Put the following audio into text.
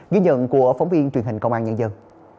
ghi nhận của phóng viên truyền hình công an nhân dân